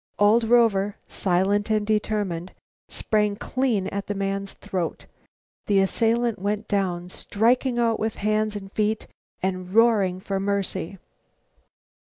Old Rover, silent and determined, sprang clean at the man's throat. The assailant went down, striking out with hands and feet, and roaring for mercy.